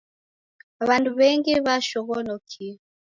W'andu w'engi w'ashoghonokie